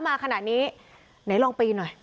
ทั้งหมดนี้คือลูกศิษย์ของพ่อปู่เรศรีนะคะ